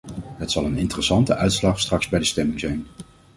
Het zal een interessante uitslag straks bij de stemming zijn.